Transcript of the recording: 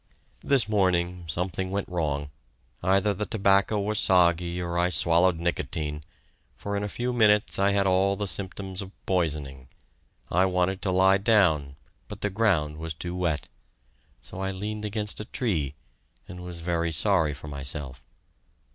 This morning, something went wrong. Either the tobacco was soggy or I swallowed nicotine, for in a few minutes I had all the symptoms of poisoning, I wanted to lie down, but the ground was too wet. So I leaned against a tree, and was very sorry for myself.